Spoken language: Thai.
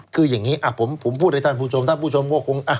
คืออย่างนี้ผมพูดให้ท่านผู้ชมท่านผู้ชมก็คง